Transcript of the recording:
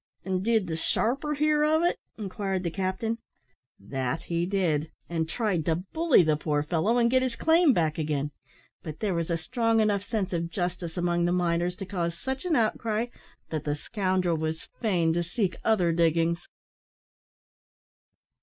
"And did the sharper hear of it?" inquired the captain. "That he did, and tried to bully the poor fellow, and get his claim back again; but there was a strong enough sense of justice among the miners to cause such an outcry that the scoundrel was fain to seek other diggings."